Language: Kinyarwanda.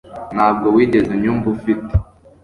Ntabwo wigeze unyumva ufite